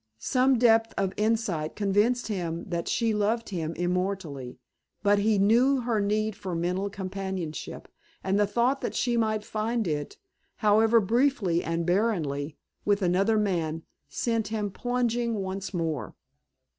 Some depth of insight convinced him that she loved him immortally, but he knew her need for mental companionship, and the thought that she might find it, however briefly and barrenly, with another man, sent him plunging once more.